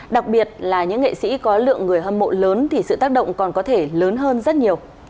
đặc biệt là những nghệ sĩ có lượng người hâm mộ lớn thì sự tác động còn có thể lớn hơn rất nhiều